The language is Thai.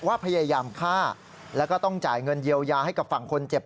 พยายามฆ่าแล้วก็ต้องจ่ายเงินเยียวยาให้กับฝั่งคนเจ็บ